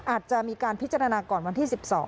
อาจจะมีการพิจารณาก่อนวันที่๑๒